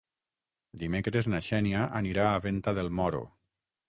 Dimecres na Xènia anirà a Venta del Moro.